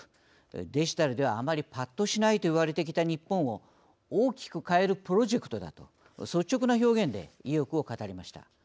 デジタルではあまりぱっとしないと言われてきた日本を大きく変えるプロジェクトだと率直な表現で意欲を語りました。